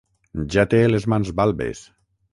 Ja té les mans balbes.